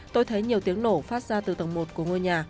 tôi thấy nhiều tiếng nổ phát ra từ tầng một của ngôi nhà